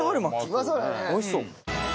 おいしそう。